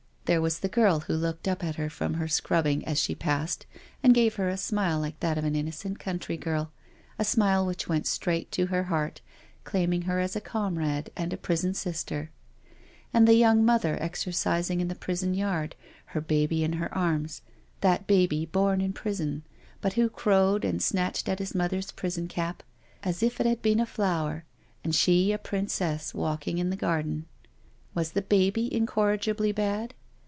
There was the girl who looked up at her from her scrubbing as she passed and gave her a smile like that of an inno cent country girl— a smile which went straight to her heart, claiming her as a comrade and a prison sister. And the young mother exercising in the prison yard, her baby in her arms, that baby born in prison, but who crowed and snatched at his mother's prison cap as if it had been a flower, and she a princess walking in her garden. Was the baby incorrigibly bad?